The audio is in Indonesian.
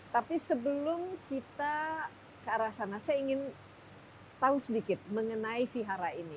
tapi sebelum kita ke arah sana saya ingin tahu sedikit mengenai vihara ini